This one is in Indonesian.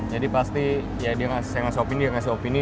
jadi pasti dia ngasih opini dia ngasih opini